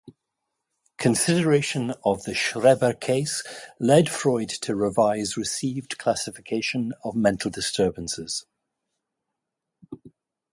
Consideration of the Schreber case led Freud to revise received classification of mental disturbances.